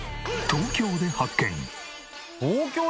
東京で発見。